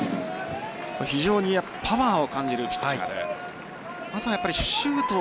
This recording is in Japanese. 非常にパワーを感じるピッチャーであとはシュート。